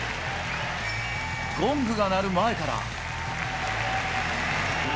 ゴングが鳴る前から。